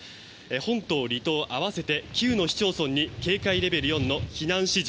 本島、離島合わせて９の市町村に警戒レベル４の避難指示。